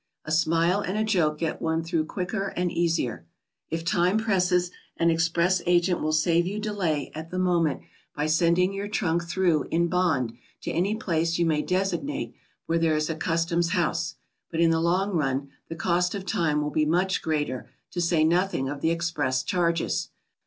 A smile and a joke get one through quicker and easier. If time presses, an express agent will save you delay at the moment by sending your trunk through in bond to any place you may designate where there is a customs house, but in the long run the cost of time will be much greater, to say nothing of the express charges.